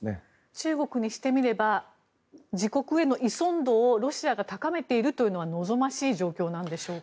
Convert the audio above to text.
中国にしてみれば自国への依存度をロシアが高めているというのは望ましい状況ですか？